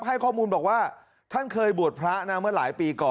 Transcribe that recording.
ให้ข้อมูลบอกว่าท่านเคยบวชพระ